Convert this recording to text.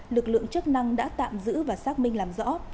lực lượng chức năng đã tạm giữ và xác minh làm rõ